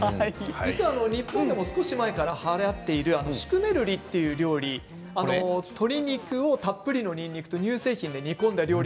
日本でも少し前からはやっているシュクメルリという料理鶏肉をたっぷりのにんにくと乳製品で煮込んだ料理